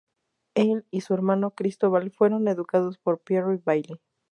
Él y su hermano Cristóbal fueron educados por Pierre Bayle.